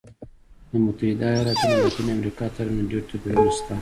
د متحده ایالتونو او لاتینې امریکا ترمنځ ډېر توپیرونه شته.